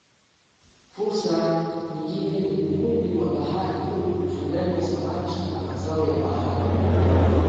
Fursa nyingine ni uvuvi wa bahari kuu ufugaji samaki na mazao ya bahari